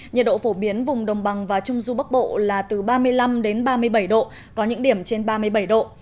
nhiệt độ phổ biến vùng đồng bằng và trung du bắc bộ là từ ba mươi năm ba mươi bảy độ có những điểm trên ba mươi bảy độ